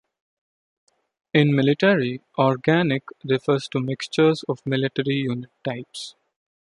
In military, "organic" refers to mixtures of military unit types.